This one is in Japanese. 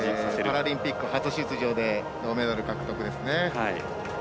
パラリンピック初出場で銅メダル獲得ですね。